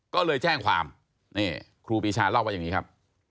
ก็เลยแจ้งความนี่ครูปีชาเล่าว่าอย่างนี้ครับ